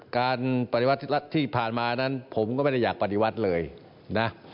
การปฏิวัติที่ผ่านมานั้นผมก็ไม่ได้อยากปฏิวัติเลยนะ